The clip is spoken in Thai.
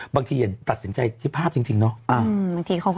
อย่าตัดสินใจที่ภาพจริงเนาะ